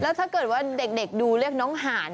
ถ้าเกิดว่าเด็กดูเรียกน้องหาน